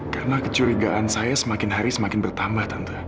karena kecurigaan saya semakin hari semakin bertambah tante